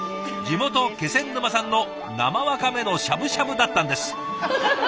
地元気仙沼産の生わかめのしゃぶしゃぶだったんです。